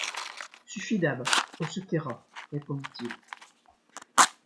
Suffit, Dab! on se taira, répondit-il.